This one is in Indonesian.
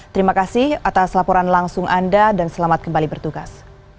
terima kasih atas laporan langsung anda dan selamat kembali bertugas